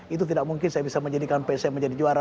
itu tidak mungkin saya bisa menjadikan pc menjadi juara